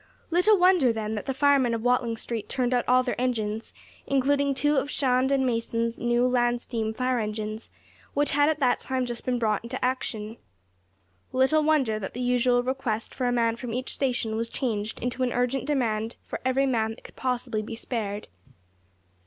Little wonder, then, that the firemen of Watling Street turned out all their engines, including two of Shand and Mason's new land steam fire engines, which had at that time just been brought into action. Little wonder that the usual request for a man from each station was changed into an urgent demand for every man that could possibly be spared.